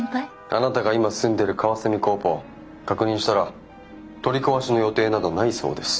あなたが今住んでるカワセミコーポ確認したら取り壊しの予定などないそうです。